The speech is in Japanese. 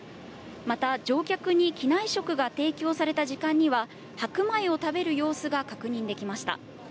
また、乗客に機内食が提供された時間には、白米を食べる様子が確認できました。